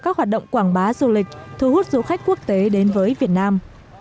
các hoạt động quảng bá du lịch thu hút du khách quốc tế đến với việt nam